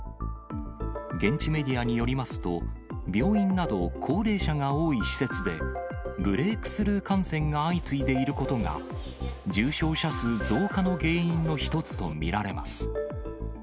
現地メディアによりますと、病院など、高齢者が多い施設で、ブレークスルー感染が相次いでいることが、重症者数増加の原因の一つと見られます。